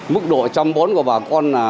mức độ chăm bón của bà con